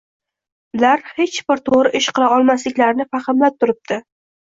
Ular hech bir to‘g‘ri ish qila olmasliklarini fahmlab turibdi